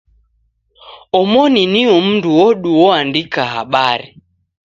Omoni nio mndu odu oandika habari.